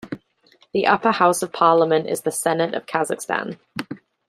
The upper house of Parliament is the Senate of Kazakhstan.